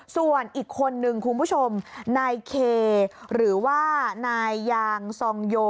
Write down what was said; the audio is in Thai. ส่วนอีกคนนึงคุณผู้ชมนายเคหรือว่านายยางซองโย